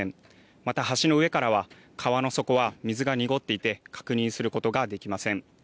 また橋の上からは川の底は水が濁っていて確認することができません。